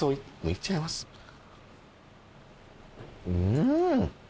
うん。